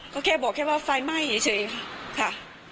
ก็แค่บอกแค่ว่าไฟไหม้เฉยค่ะ